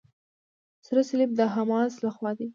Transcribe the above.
سره صلیب د حماس لخوا.